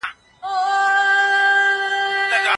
ازادي په اسانۍ نه ترلاسه کېږي.